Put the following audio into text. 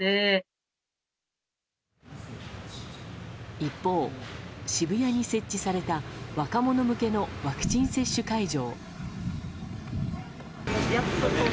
一方、渋谷に設置された若者向けのワクチン接種会場。